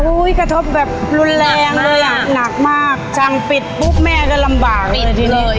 กระทบแบบรุนแรงเลยอ่ะหนักมากสั่งปิดปุ๊บแม่ก็ลำบากเลยทีเดียว